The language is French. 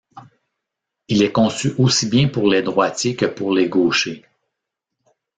Il est conçu aussi bien pour les droitiers que pour les gauchers.